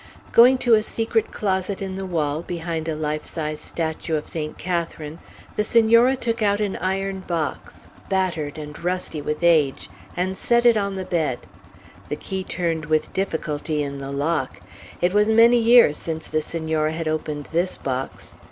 Going to a secret closet in the wall, behind a life size statue of Saint Catharine, the Senora took out an iron box, battered and rusty with age, and set it on the bed. The key turned with difficulty in the lock. It was many years since the Senora had opened this box.